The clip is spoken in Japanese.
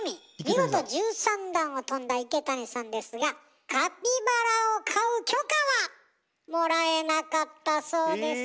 見事１３段をとんだ池谷さんですがカピバラを飼う許可はもらえなかったそうです。